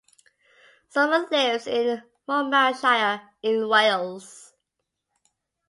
Sommer lives in Monmouthshire in Wales.